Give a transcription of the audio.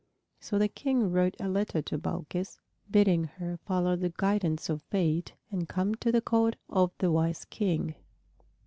So the King wrote a letter to Balkis, bidding her follow the guidance of fate and come to the court of the wise King.